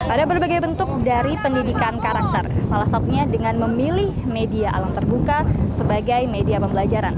ada berbagai bentuk dari pendidikan karakter salah satunya dengan memilih media alam terbuka sebagai media pembelajaran